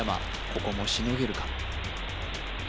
ここもしのげるか？